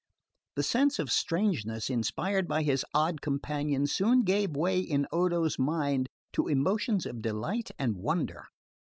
The sense of strangeness inspired by his odd companion soon gave way in Odo's mind to emotions of delight and wonder.